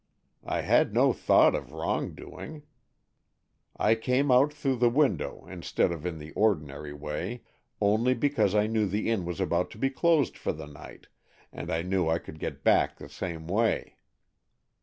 I had no thought of wrong doing. I came out through the window, instead of in the ordinary way, only because I knew the inn was about to be closed for the night, and I knew I could get back the same way.